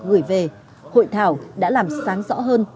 người về hội thảo đã làm sáng rõ hơn